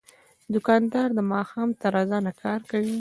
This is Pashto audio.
دوکاندار د ماښام تر اذانه کار کوي.